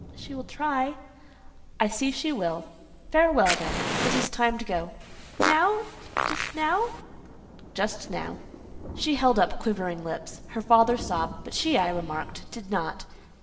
"She will try." "I see she will. Farewell, then. It is time to go." "Now?—just now? "Just now." She held up quivering lips. Her father sobbed, but she, I remarked, did not.